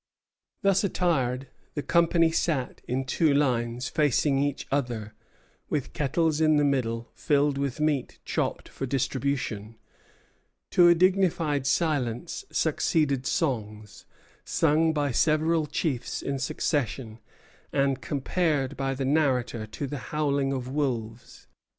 Thus attired, the company sat in two lines facing each other, with kettles in the middle filled with meat chopped for distribution. To a dignified silence succeeded songs, sung by several chiefs in succession, and compared by the narrator to the howling of wolves.